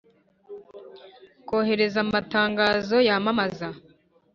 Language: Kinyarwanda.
kohereza amatangazo yamamaza.